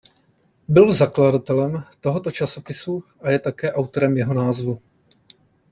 Byl zakladatelem tohoto časopisu a je také autorem jeho názvu.